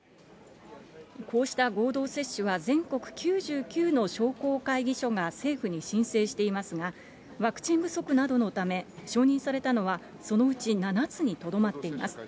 こうした合同接種は全国９９の商工会議所が政府に申請していますが、ワクチン不足などのため、承認されたのはそのうち７つにとどまっています。